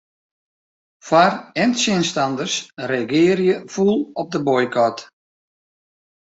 Foar- en tsjinstanners reagearje fûl op de boykot.